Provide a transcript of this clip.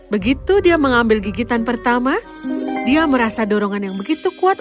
begitu dia mengambil gigitan pertama dia merasa dorongan yang begitu kuat